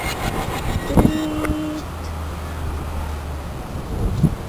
— Трӱ-ӱ-ӱт!